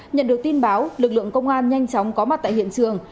nhận được tin báo lực lượng công an nhanh chóng có mặt tại hiện trường